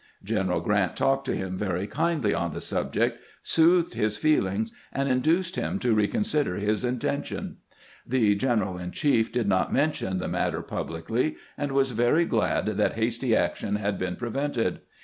General Grant talked to him very kindly on the subject, soothed his feelings, and induced him to reconsider his intention. The general in chief did not mention the grant's tbeatment or his generals 247 matter publicly, and was very glad that hasty action liad been prevented.